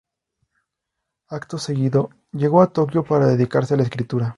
Acto seguido, llegó a Tokio para dedicarse a la escritura.